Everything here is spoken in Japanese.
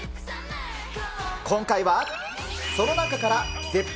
今回は、その中から絶品！